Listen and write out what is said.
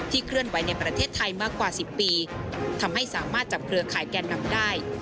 เคลื่อนไหวในประเทศไทยมากกว่า๑๐ปีทำให้สามารถจับเครือข่ายแกนนำได้